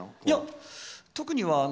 いや、特には。